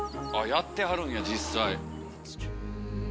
やってはるんや実際。